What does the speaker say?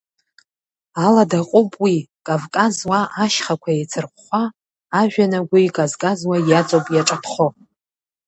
Аладаҟоуп уи, Кавказ уа ашьхақәа еицырхәхәа, ажәҩан агәы иказказуа иаҵоуп иаҿаԥхо.